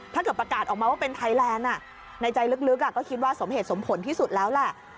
ประกาศออกมาว่าเป็นไทยแลนด์ในใจลึกก็คิดว่าสมเหตุสมผลที่สุดแล้วแหละ